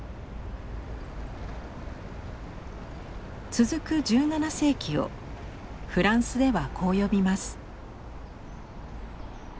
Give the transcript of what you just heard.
続く１７世紀をフランスではこう呼びます。